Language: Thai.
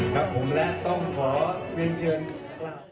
ครับผมและต้องขอเรียนเชิญครับ